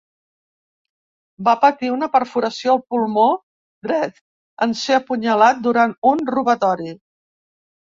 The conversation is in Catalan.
Va patir una perforació al pulmó dret en ser apunyalat durant un robatori.